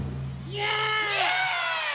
イエーイ！